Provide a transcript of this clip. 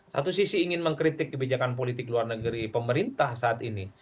satu sisi ingin mengkritik kebijakan politik luar negeri pemerintah saat ini